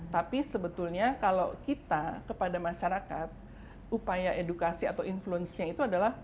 tapi sebetulnya kalau kita kepada masyarakat upaya edukasi atau influence nya itu adalah